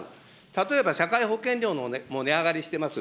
例えば、社会保険料も値上がりしてます。